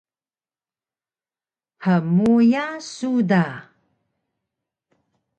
Hmuya su da?